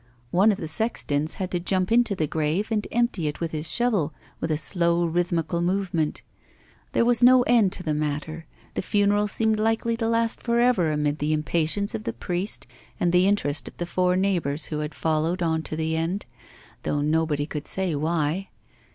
One of the sextons had to jump into the grave and empty it with his shovel with a slow rhythmical movement. There was no end to the matter, the funeral seemed likely to last for ever amid the impatience of the priest and the interest of the four neighbours who had followed on to the end, though nobody could say why.